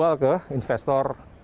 apakah layak untuk dijual ke investor